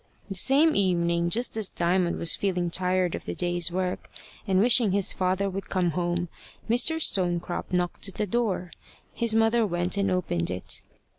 The same evening, just as Diamond was feeling tired of the day's work, and wishing his father would come home, Mr. Stonecrop knocked at the door. His mother went and opened it.